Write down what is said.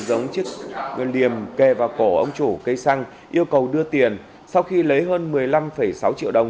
giống chiếc liềm kề vào cổ ông chủ cây xăng yêu cầu đưa tiền sau khi lấy hơn một mươi năm sáu triệu đồng